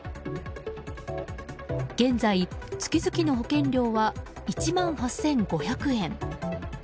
現在、月々の保険料は１万８５００円。